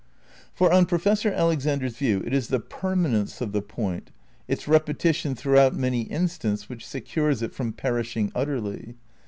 For, on Professor Alexander's view it is the perma nence of the point, its "repetition" throughout many instants which secures it from "perishing" utterly.